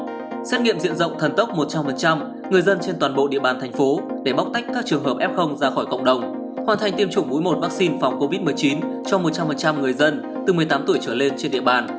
hà nội sẽ xét nghiệm diện rộng thần tốc một trăm linh người dân trên toàn bộ địa bàn thành phố để bóc tách f ra khỏi cộng đồng và hoàn thành tiêm chủng mỗi một vaccine cho một trăm linh người dân từ một mươi tám tuổi trở lên